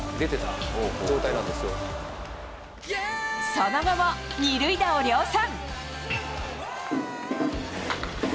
その後も２塁打を量産。